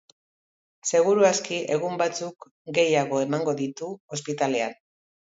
Seguru aski, egun batzuk gehiago emango ditu ospitalean.